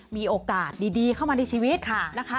มีโอกาสดีเข้ามาในชีวิตนะคะ